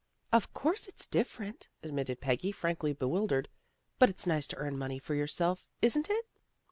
" Of course it's different," admitted Peggy, frankly bewildered. " But it's nice to earn money for yourself, isn't it?